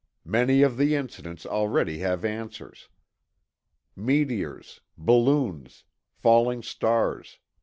Many of the incidents already have answers. Meteors. Balloons. Falling stars.